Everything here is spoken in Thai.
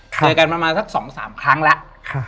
เจอกันประมาณสัก๒๓ครั้งแล้ว